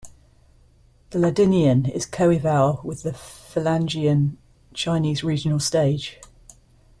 The Ladinian is coeval with the Falangian Chinese regional stage.